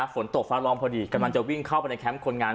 ฟ้าร้องพอดีกำลังจะวิ่งเข้าไปในแคมป์คนงาน